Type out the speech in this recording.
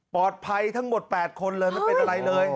ปลอดภัยทั้งหมด๘คนเลยไม่เป็นอะไรเลย